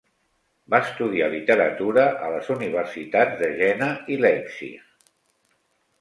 Va estudiar literatura a les universitats de Jena i Leipzig.